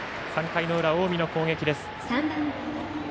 ３回の裏、近江の攻撃です。